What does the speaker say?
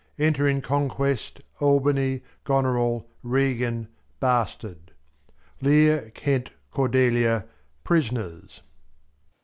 Enter in Conquest, Albany, Goneril, Regan, Bastard. Lear, Kent, Cordelia, Prisoners.